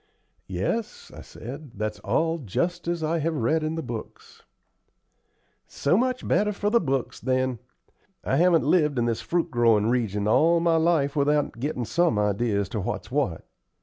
"Yes," I said, "that's all just as I have read in the books." "So much the better for the books, then. I haven't lived in this fruit growin' region all my life without gettin' some ideas as to what's what.